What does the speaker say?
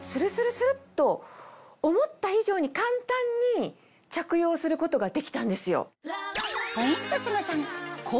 スルっと思った以上に簡単に着用することができたんですよ。